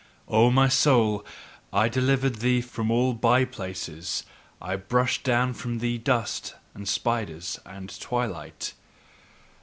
O my soul, I delivered thee from all by places, I brushed down from thee dust and spiders and twilight.